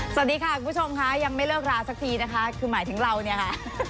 สวัสดีค่ะคุณผู้ชมค่ะยังไม่เลิกราสักทีนะคะคือหมายถึงเราเนี่ยค่ะ